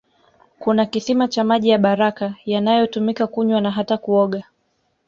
Kuna kisima cha maji ya baraka yanayotumika kunywa na hata kuoga